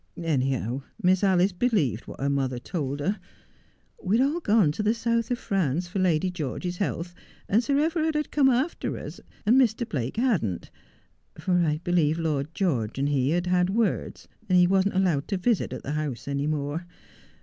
Anyhow, Mi:/s Alice believed what her mother told he) . We had all gone to the South of France for Lady George's 274 Just as I Am. health, and Sir Everard had come after us, and Mr. Blake hadn't — for I believe Lord George and he had had words, and he ■wasn't allowed to visit at the house any more.